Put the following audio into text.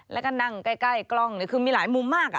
แล้วก็นั่งใกล้กล้องคือมีหลายมุมมาก